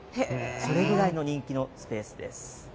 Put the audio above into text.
それぐらいの人気のスペースです。